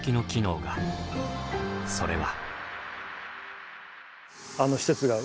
それは。